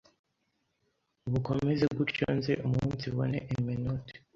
bukomeze gutyo nze umunsibone emenote